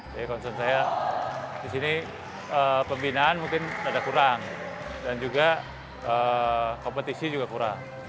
jadi concern saya di sini pembinaan mungkin ada kurang dan juga kompetisi juga kurang